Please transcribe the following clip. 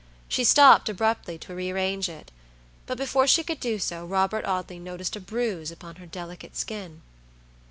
She stopped abruptly to rearrange it; but before she could do so Robert Audley noticed a bruise upon her delicate skin.